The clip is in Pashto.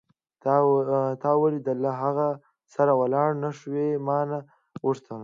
ته ولې له هغه سره ولاړ نه شوې؟ ما نه غوښتل.